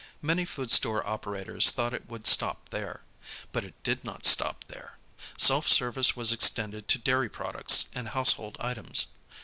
Many food store operators thought it would stop there. But it did not stop there. Self service was extended to dairy products and household items.